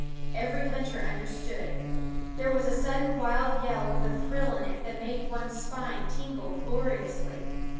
Every hunter understood. There was a sudden wild yell with a thrill in it that made one's spine tingle gloriously.